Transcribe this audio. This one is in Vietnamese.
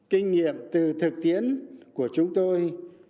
kinh nghiệm từ thực tiễn của chúng tôi